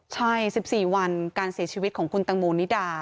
ใช่๑๔วันการเสียชีวิตของคุณตังโมนิดา